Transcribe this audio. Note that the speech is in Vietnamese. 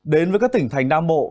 đến với các tỉnh thành nam bộ